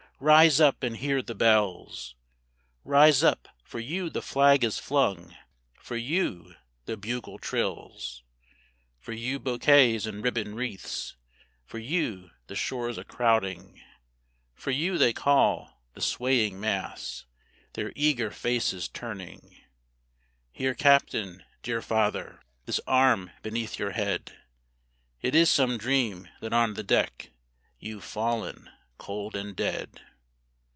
rise up and hear the bells; Rise up for you the flag is flung for you the bugle trills, For you bouquets and ribboned wreaths for you the shores a crowding, For you they call, the swaying mass, their eager faces turning; Here Captain! dear father! This arm beneath your head! It is some dream that on the deck You've fallen cold and dead.